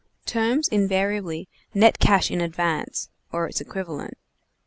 "Terms invariably net cash in advance or its equivalent."